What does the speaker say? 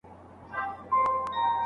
که عدد وي نو حساب نه غلطیږي.